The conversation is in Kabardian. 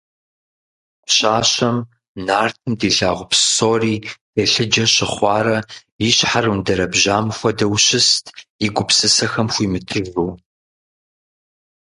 Пщащэм нартым дилъагъу псори телъыджэ щыхъуарэ и щхьэр ундэрэбжьам хуэдэу щыст, и гупсысэхэм хуимытыжу.